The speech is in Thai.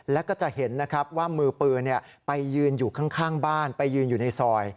แล้วก็จะเห็นนะครับว่ามือปืนไปยืนอยู่ข้างบ้านไปยืนอยู่ในซอย